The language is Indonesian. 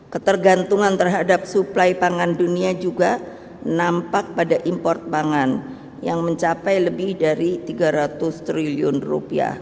ketergantungan terhadap suplai pangan dunia juga nampak pada import pangan yang mencapai lebih dari tiga ratus triliun rupiah